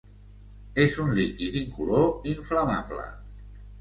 És un líquid incolor inflamable.